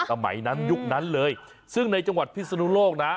สมัยนั้นยุคนั้นเลยซึ่งในจังหวัดพิศนุโลกนะ